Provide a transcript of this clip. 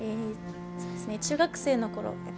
中学生のころ